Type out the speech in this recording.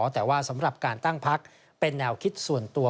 แต่ว่าสำหรับการตั้งพักเป็นแนวคิดส่วนตัว